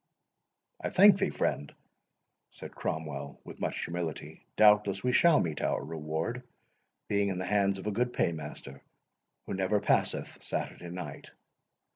"I thank thee, friend," said Cromwell, with much humility; "doubtless we shall meet our reward, being in the hands of a good paymaster, who never passeth Saturday night.